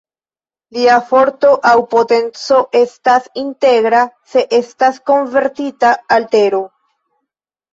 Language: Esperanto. Lia forto aŭ potenco estas integra se estas konvertita al tero.